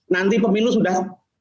nanti pemilu sudah